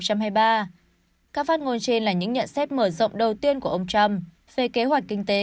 các phát ngôn trên là những nhận xét mở rộng đầu tiên của ông trump về kế hoạch kinh tế